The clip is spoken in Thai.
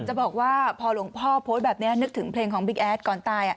จะบอกว่าพอหลวงพ่อโพสต์แบบนี้นึกถึงเพลงของบิ๊กแอดก่อนตาย